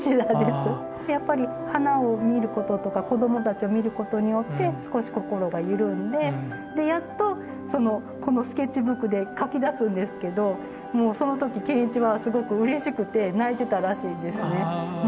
やっぱり花を見ることとか子どもたちを見ることによって少し心が緩んでやっとこのスケッチブックで描き出すんですけどもうその時賢一はすごくうれしくて泣いてたらしいんですね。